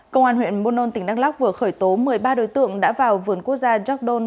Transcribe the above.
công an huyện bonon tỉnh đắk lắc vừa khởi tố một mươi ba đối tượng đã vào vườn quốc gia giọc đôn